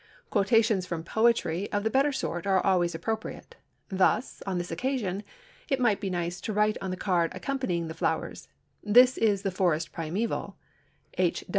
Quotations from poetry of the better sort are always appropriate; thus, on this occasion, it might be nice to write on the card accompanying the flowers—"'This is the forest primeval'—H.